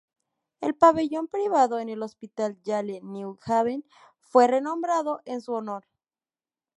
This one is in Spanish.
El Pabellón privado en el Hospital Yale New Haven fue renombrado en su honor.